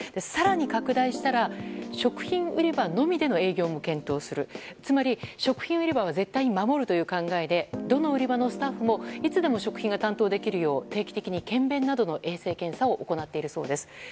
更に拡大したら食品売り場のみでの営業も検討する、つまり、食品売り場は絶対に守るという考えでどの売り場のスタッフもいつでも食品が担当できるよう定期的に検便などの衛生検査を行っているそうです。